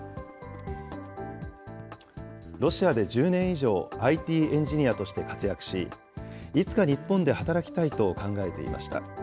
ロシアで１０年以上、ＩＴエンジニアとして活躍し、いつか日本で働きたいと考えていました。